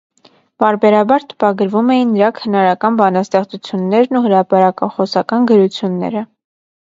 Պարբերաբար տպագրվում էին նրա քնարական բանաստեղծություններն ու հրապարակախոսական գրությունները։